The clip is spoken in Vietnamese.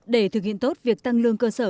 để thực hiện tốt việc tăng lương cơ sở